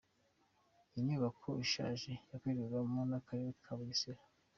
Inyubako ishaje yakorerwagamo n’akarere ka Bugesera.